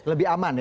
lebih aman ya